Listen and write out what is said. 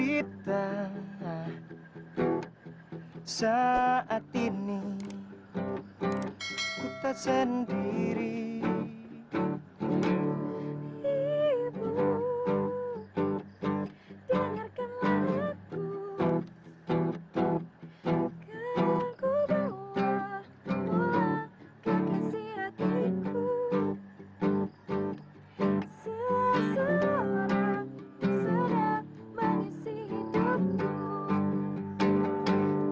ini tugasal answered